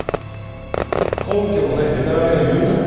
根拠もないデタラメを言うな。